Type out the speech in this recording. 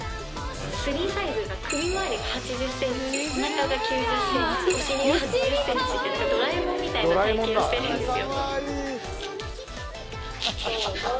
スリーサイズが首回りが８０センチおなかが９０センチおしりが８０センチってドラえもんみたいな体形をしてるんですよ